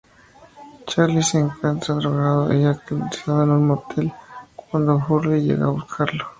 Charlie se encuentra drogado y alcoholizado en un motel, cuando Hurley llega a buscarlo.